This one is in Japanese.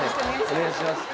お願いします